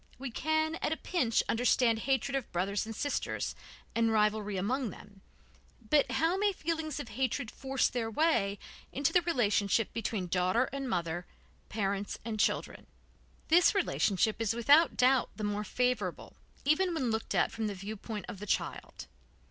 We can, at a pinch, understand hatred of brothers and sisters, and rivalry among them, but how may feelings of hatred force their way into the relationship between daughter and mother, parents and children? This relationship is without doubt the more favorable, even when looked at from the viewpoint of the child.